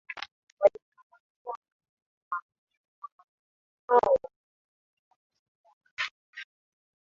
walimkamata na aliwaambia kwamba Mkwawa ameelekea kusini Wakaendelea kumfuata